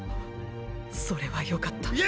それはよかった。